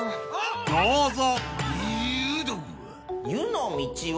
［どうぞ］